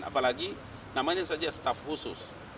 apalagi namanya saja staff khusus